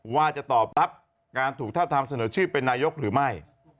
ว่าจะตอบรับการถูกทราบถามเสนอชื่อในยุคของเป็นนายุทธิ์หรือไม่